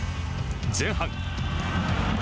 前半。